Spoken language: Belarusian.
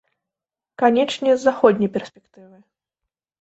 Канечне, з заходняй перспектывы.